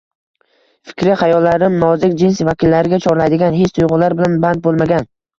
Fikri xayollarim nozik jins vakillariga chorlaydigan his-tuyg`ular bilan band bo`lmagan